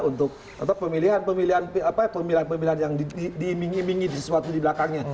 untuk pemilihan pemilihan yang diimingi imingi sesuatu di belakangnya